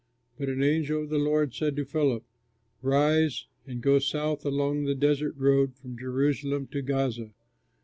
But an angel of the Lord said to Philip, "Rise, and go south along the desert road from Jerusalem to Gaza."